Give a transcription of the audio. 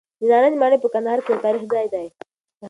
د نارنج ماڼۍ په کندهار کې یو تاریخي ځای دی.